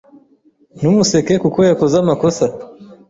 Ntumuseke kuko yakoze amakosa.